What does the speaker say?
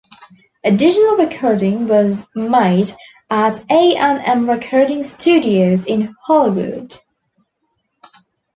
Additional recording was made at A and M Recording Studios in Hollywood.